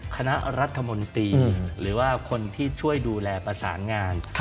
คณะรัฐมนตรีหรือว่าคนที่ช่วยดูแลประสานงาน